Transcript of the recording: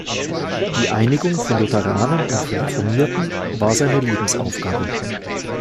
Die Einigung von Lutheranern und Reformierten war seine Lebensaufgabe.